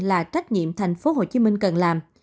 là trách nhiệm thành phố hồ chí minh cần làm